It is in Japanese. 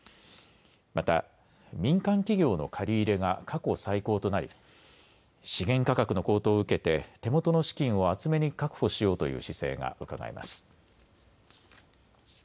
また民間企業の借入が過去最高となり、資源価格の高騰を受けて手元の資金を厚めに確保しようという姿勢がうかがえます。